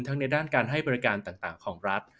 ในด้านการให้บริการต่างของรัฐ